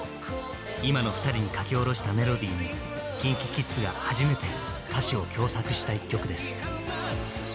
いまの２人に書き下ろしたメロディーにＫｉｎＫｉＫｉｄｓが初めて歌詞を共作した一曲です。